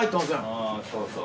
あぁそうそう。